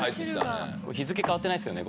日付変わってないですよね？